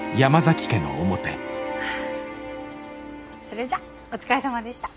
それじゃお疲れさまでした。